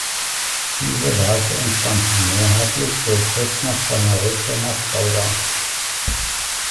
Diese Werke entstanden mehrheitlich wohl kurz nach seiner Rückkehr nach Gouda.